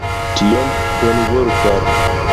Tion... Bonvolu fari...